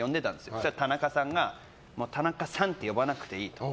そうしたら田中さんが田中さんって呼ばなくていいって。